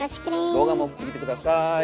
動画も送ってきて下さい。